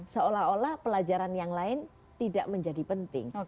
seolah olah pelajaran yang lain tidak menjadi penting